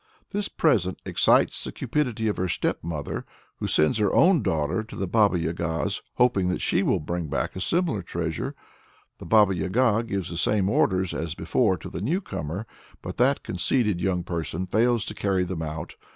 This present excites the cupidity of her stepmother, who sends her own daughter to the Baba Yaga's, hoping that she will bring back a similar treasure. The Baba Yaga gives the same orders as before to the new comer, but that conceited young person fails to carry them out.